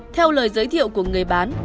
theo lời giới thiệu của người bán